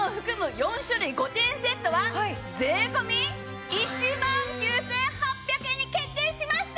４種類５点セットは税込１万９８００円に決定しました！